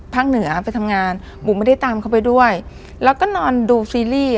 เหนือไปทำงานบุ๋มไม่ได้ตามเขาไปด้วยแล้วก็นอนดูซีรีส์